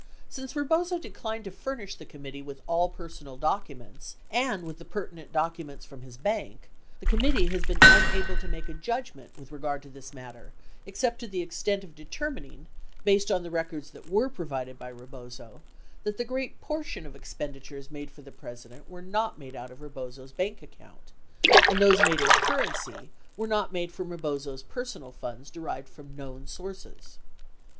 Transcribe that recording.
Since Rebozo declined to furnish the committee with all personal documents and with the pertinent documents from his bank, the committee has been unable to make a judgment with regard to this matter except to the extent of determining, based on the records that were provided by Rebozo, that the great portion of expenditures made for the President were not made out of Rebozo's bank account, and those made in currency were not made from Rebozo's personal funds derived from known sources.